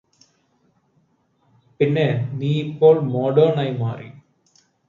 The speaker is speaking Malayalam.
പിന്നെ നീയിപ്പോൾ മോഡേണായി മാറി